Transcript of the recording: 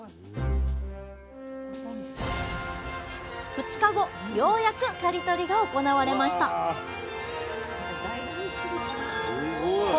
２日後ようやく刈り取りが行われましたわすごい！